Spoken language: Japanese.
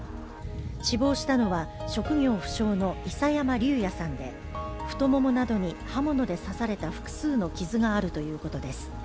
死亡したのは、職業不詳の諫山竜弥さんで太ももなどに刃物で刺された複数の傷があるということです。